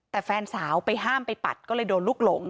แต่แฟนสาวไปห้ามไปปัดก็เลยโดนลูกหลง